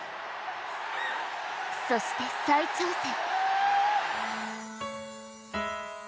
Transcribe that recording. そして再挑戦。